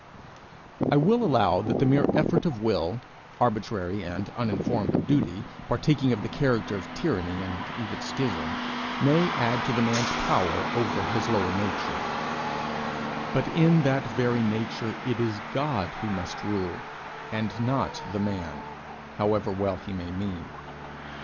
I will allow that the mere effort of will, arbitrary and uninformed of duty, partaking of the character of tyranny and even schism, may add to the man's power over his lower nature; but in that very nature it is God who must rule and not the man, however well he may mean.